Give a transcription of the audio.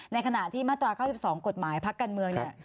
ในขณะที่มาตรา๙๒กฎหมายพักกันเมือง